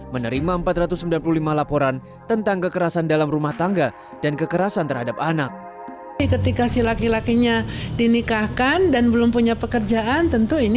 menerima empat ratus sembilan puluh persen dari perempuan yang berumur dua belas tahun